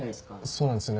そうなんですよね。